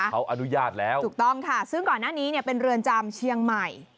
เขาอนุญาตแล้วถูกต้องค่ะซึ่งก่อนหน้านี้เนี่ยเป็นเรือนจำเชียงใหม่